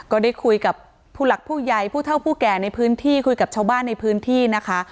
ก็ได้คุยกับผู้หลักผู้ใหญ่ผู้เท่าผู้แก่ในพื้นที่คุยกับชาวบ้านในพื้นที่นะคะ